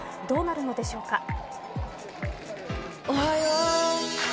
どうなるのでしょうか。